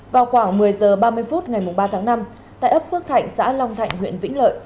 vào khoảng một mươi h ba mươi phút ngày ba tháng năm tại ấp phước thạnh xã long thạnh huyện vĩnh lợi